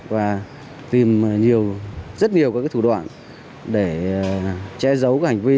và tìm nhiều rất nhiều các thủ đoạn để che giấu các hành vi